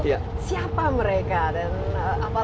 siapa mereka dan